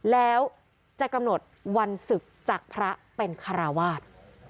แล้วจะกำหนดวันศึกจากพระเป็นคาราวาส